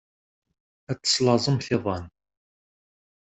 Ad teslaẓemt iḍan.